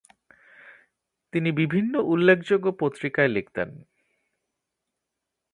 তিনি বিভিন্ন উল্লেখযোগ্য পত্রিকায় লিখতেন।